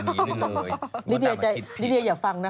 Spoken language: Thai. ลิเดียอย่าฟังนะคะ